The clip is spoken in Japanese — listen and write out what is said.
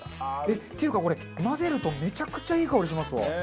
っていうかこれ混ぜるとめちゃくちゃいい香りしますわ。